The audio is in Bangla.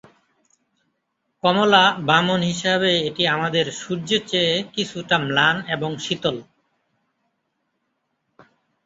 কমলা বামন হিসাবে এটি আমাদের সূর্যের চেয়ে কিছুটা ম্লান এবং শীতল।